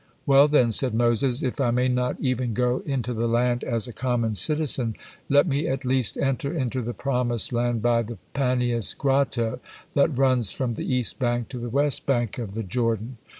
"Well, then," said Moses, "if I may not even go into the land as a common citizen, let me at least enter into the promised land by the Paneas Grotto, that runs from the east bank to the west bank of the Jordan."